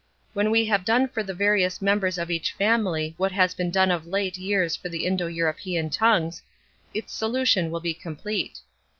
When we have done for the various members of each family what has been done of late years for the Indo European tongues, its solution will be complete.